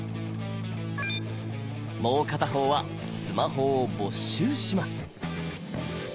もう片方はスマホを没収します。